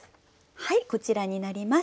こちらになります。